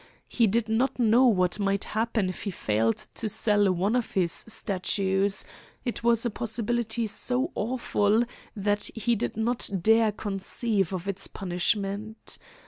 He did not know what might happen if he failed to sell one of his statues; it was a possibility so awful that he did not dare conceive of its punishment.